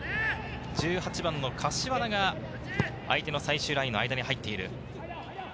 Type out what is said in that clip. １８番・柏田が相手の最終ラインの間に入っている。